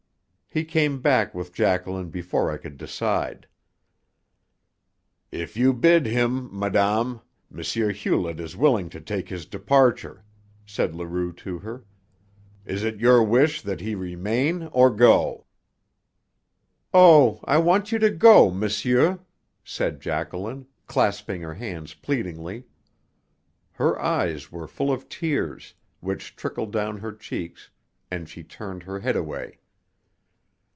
He came back with Jacqueline before I could decide. "If you bid him, madame, M. Hewlett is willing to take his departure," said Leroux to her. "Is it your wish that he remain or go?" "Oh, I want you to go, monsieur," said Jacqueline, clasping her hands pleadingly. Her eyes were full of tears, which trickled down her cheeks, and she turned her head away.